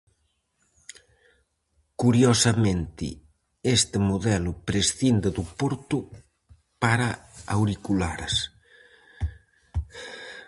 Curiosamente este modelo prescinde do porto para auriculares.